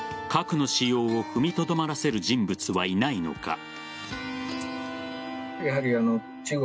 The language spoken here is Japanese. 核の使用を踏みとどまらせる人物はいないのか。